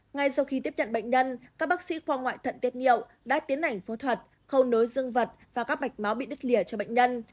ngay sau khi tiếp nhận bệnh nhân các bác sĩ khoa ngoại thận tiết nhiệu đã tiến hành phẫu thuật khâu nối dương vật và các mạch máu bị đứt lìa cho bệnh nhân